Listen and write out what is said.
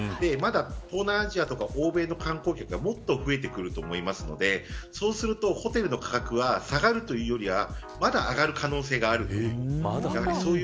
東南アジアや欧米の観光客がこれから増えてくると思うのでそうするとホテルの価格は下がるというよりはまだ上がる可能性があります。